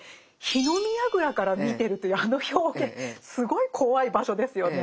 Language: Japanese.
火の見やぐらから見てるというあの表現すごい怖い場所ですよね。